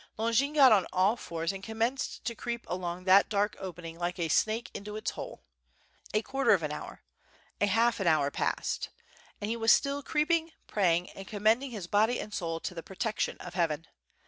Longin got on all fours and commenced to creep along that dark opening like a snake into its hole. A quarter of an hour; a half hour passed, and he was still creeping, praying, and commending his body and soul to the protection of heaven.